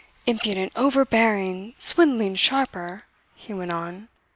"Impudent overbearing, swindling sharper," he went on.